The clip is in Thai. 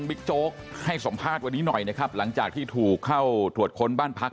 โจ๊กให้สัมภาษณ์วันนี้หน่อยนะครับหลังจากที่ถูกเข้าตรวจค้นบ้านพัก